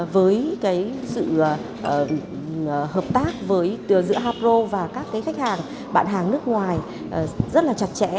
với cái sự hợp tác giữa hapro và các cái khách hàng bạn hàng nước ngoài rất là chặt chẽ